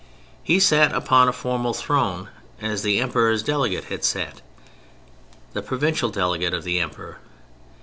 He sat upon a formal throne as the Emperor's delegate had sat: the provincial delegate of the Emperor.